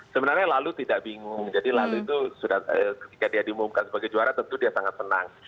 sebenarnya lalu tidak bingung jadi lalu itu sudah ketika dia diumumkan sebagai juara tentu dia sangat senang